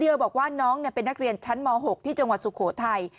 บอกว่าน้องเป็นนักเรียนชั้นม๖ที่จังหวัดสุโขทัย